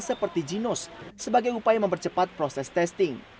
seperti ginos sebagai upaya mempercepat proses testing